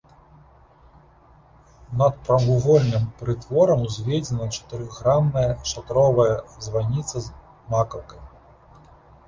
Над прамавугольным прытворам узведзена чатырохгранная шатровая званіца з макаўкай.